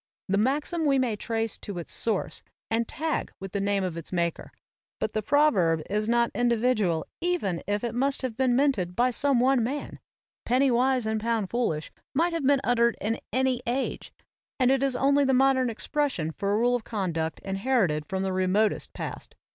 The maxim we may trace to its source and tag with the name of its maker, but the proverb is not individual even if it must have been minted by some one man. "Penny wise and pound foolish" might have been uttered in any age; and it is only the modern expression for a rule of conduct inherited from the remotest past.